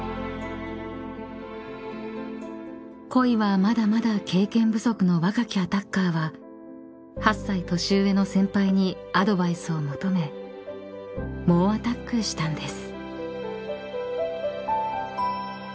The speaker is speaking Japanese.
［恋はまだまだ経験不足の若きアタッカーは８歳年上の先輩にアドバイスを求め猛アタックしたんです］